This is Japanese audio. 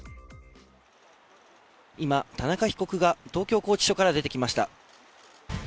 今、田中被告が東京拘置所から出てきました。